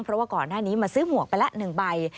เพราะว่าก่อนหน้านี้มาซื้อหมวกไปละ๑ใบ